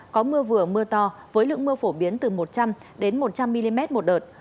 có mưa vừa mưa to với lượng mưa phổ biến từ một trăm linh một trăm linh mm một đợt